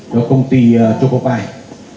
có công ty chocopie